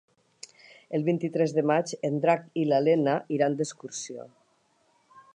El vint-i-tres de maig en Drac i na Lena iran d'excursió.